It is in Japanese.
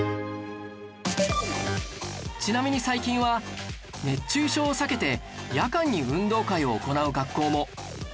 ちなみに最近は熱中症を避けて夜間に運動会を行う学校も